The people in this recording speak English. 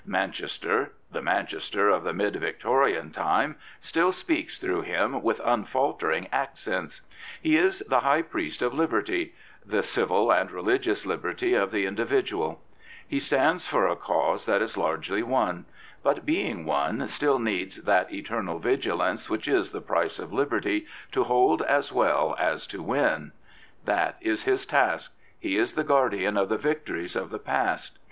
Manchester, the Manchester of the mid Victorian time, still speaks through him with un faltering accents. He is the high priest of liberty— m Prophets, Priests, and Kings the civil and religious liberty of the individual. He stands for a cause that is largely won; but, being won, still needs that eternal vigilance which is the price of liberty, to hold as well as to win. That is his task. He is the guardian of the victories of the past.